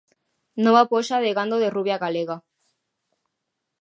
Nova poxa de gando de rubia galega.